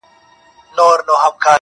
o دا بېچاره به ښـايــي مــړ وي.